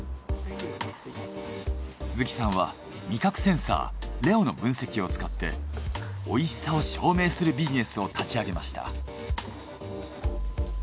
鈴木さんは味覚センサーレオの分析を使って美味しさを証明するビジネスを立ち上げました。